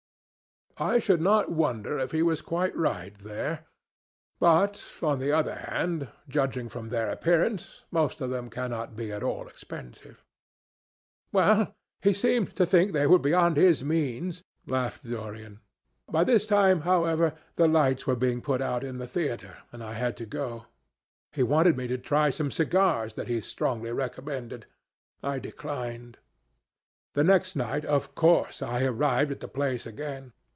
"I should not wonder if he was quite right there. But, on the other hand, judging from their appearance, most of them cannot be at all expensive." "Well, he seemed to think they were beyond his means," laughed Dorian. "By this time, however, the lights were being put out in the theatre, and I had to go. He wanted me to try some cigars that he strongly recommended. I declined. The next night, of course, I arrived at the place again.